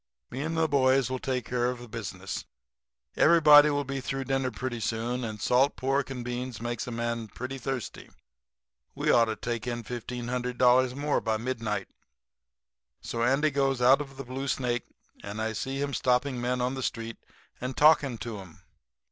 Me and the boys will take care of the business. Everybody will be through dinner pretty soon, and salt pork and beans makes a man pretty thirsty. We ought to take in $1,500 more by midnight.' "So Andy goes out of the Blue Snake, and I see him stopping men on the street and talking to 'em.